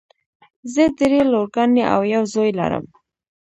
زه دری لورګانې او یو زوی لرم.